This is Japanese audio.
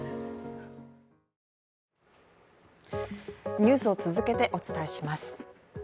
ニュースを続けてお伝えします。